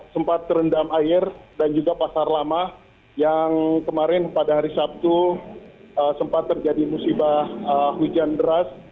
sempat terendam air dan juga pasar lama yang kemarin pada hari sabtu sempat terjadi musibah hujan deras